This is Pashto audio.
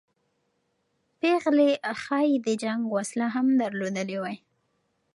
پېغلې ښایي د جنګ وسله هم درلودلې وای.